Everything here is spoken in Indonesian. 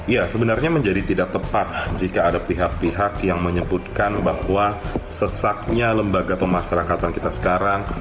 ya sebenarnya menjadi tidak tepat jika ada pihak pihak yang menyebutkan bahwa sesaknya lembaga pemasarakatan kita sekarang